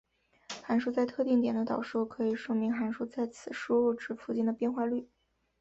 函数在特定点的导数可以说明函数在此输入值附近的变化率。